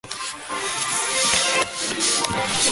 The title is seldom used today.